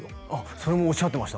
それもおっしゃってました